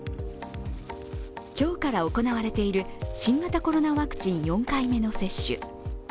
今日から行われている新型コロナワクチン４回目の接種。